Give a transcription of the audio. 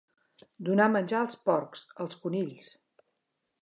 Donar menjar als porcs, als conills.